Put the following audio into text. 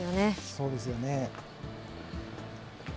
そうですよね。